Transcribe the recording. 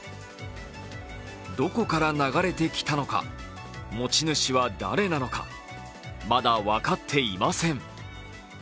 どこから流れてきたのか、持ち主は誰なのか、まだ分かっていません。